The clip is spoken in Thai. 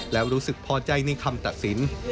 แล้วรู้สึกพอใจในคำตัดสิน